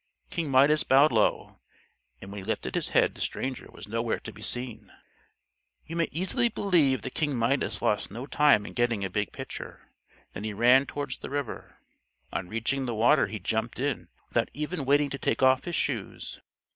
King Midas bowed low, and when he lifted his head the stranger was nowhere to be seen. You may easily believe that King Midas lost no time in getting a big pitcher, then he ran towards the river. On reaching the water he jumped in without even waiting to take off his shoes.